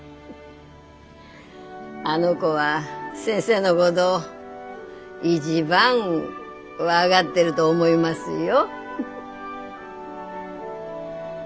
あの子は先生のごど一番分がってるど思いますよ。